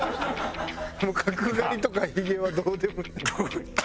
もう角刈りとかひげはどうでもいい。